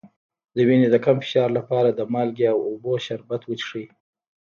د وینې د کم فشار لپاره د مالګې او اوبو شربت وڅښئ